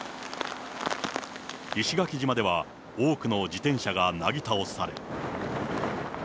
石垣島では、多くの自転車がなぎ倒され。